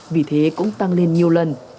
vì thế cũng tăng lên nhiều lần